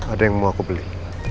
ada yang mau aku beli